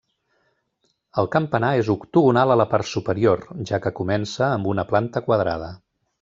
El campanar és octogonal a la part superior, ja que comença amb una planta quadrada.